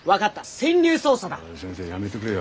先生やめてくれよ。